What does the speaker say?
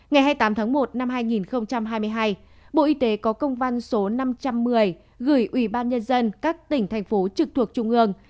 ngày hai mươi tám tháng một năm hai nghìn hai mươi hai bộ y tế có công văn số năm trăm một mươi gửi ủy ban nhân dân các tỉnh thành phố trực thuộc trung ương